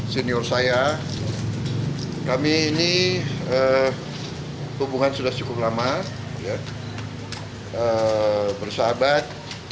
senior saya kami ini hubungan sudah cukup lama bersahabat